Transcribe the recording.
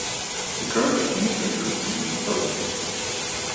The current Administrator is Neil Pope.